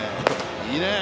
いいねえ！